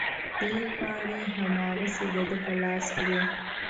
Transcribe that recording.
د لیک پاڼې هماغسې د ده په لاس کې وې.